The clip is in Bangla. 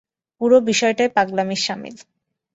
পুরো বিষয়টাই পাগলামির সামিল।